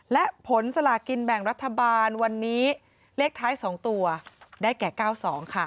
และผลสลากินแบ่งรัฐบาลวันนี้เลขท้าย๒ตัวได้แก่๙๒ค่ะ